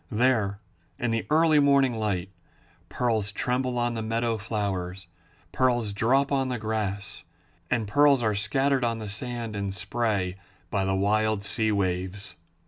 There in the early morning light, pearls tremble on the meadow flowers, pearls drop on the grass, and pearls are scattered on the sand in spray by the wild sea waves.